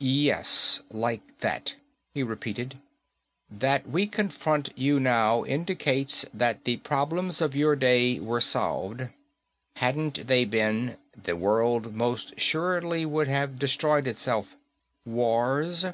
"Yes, like that," he repeated. "That we confront you now indicates that the problems of your day were solved. Hadn't they been, the world most surely would have destroyed itself. Wars?